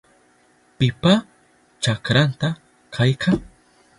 ¿Pipa chakranta kayka?